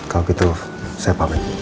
kalau begitu saya pamit